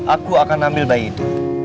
aku akan ambil bayi itu